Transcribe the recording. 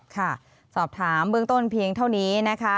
ค่ะสอบถามเบื้องต้นเพียงเท่านี้นะคะ